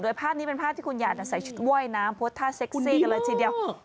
ภาพนี้เป็นภาพที่คุณหยาดใส่ชุดว่ายน้ำโพสต์ท่าเซ็กซี่กันเลยทีเดียว